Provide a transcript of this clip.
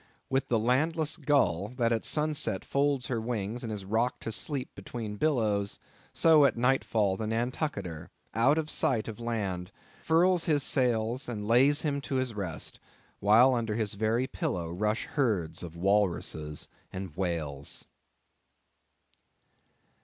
With the landless gull, that at sunset folds her wings and is rocked to sleep between billows; so at nightfall, the Nantucketer, out of sight of land, furls his sails, and lays him to his rest, while under his very pillow rush herds of walruses and whales.